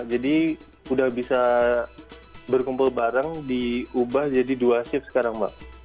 jadi udah bisa berkumpul bareng diubah jadi dua shif sekarang mbak